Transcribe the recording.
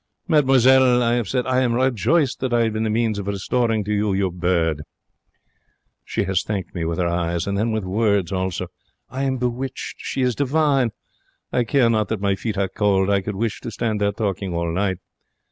'Mademoiselle,' I have said, 'I am rejoiced that I have been the means of restoring to you your bird.' She has thanked me with her eyes, and then with words also. I am bewitched. She is divine. I care not that my feet are cold. I could wish to stand there talking all night.